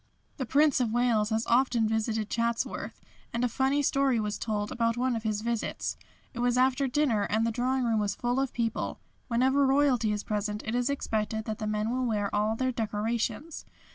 "The Prince of Wales has often visited Chatsworth, and a funny story was told about one of his visits. It was after dinner and the drawing room was full of people. Whenever Royalty is present it is expected that the men will wear all their decorations.